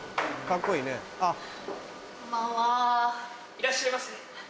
いらっしゃいませ。